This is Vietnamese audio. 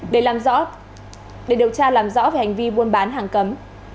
để điều tra làm rõ về hành vi buôn bán hàng cấm